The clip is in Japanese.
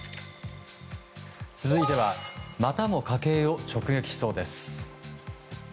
続いてはまたも家計を直撃しそうです。